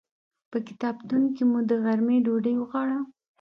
په کتابتون کې مو د غرمې ډوډۍ وخوړه.